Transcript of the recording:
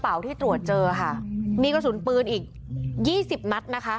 เพราะในกระเป๋าที่ตรวจเจอนี่กระสุนปืนอีก๒๐นัด